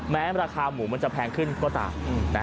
แม้ราคาหมูมันจะแพงขึ้นก็ตาม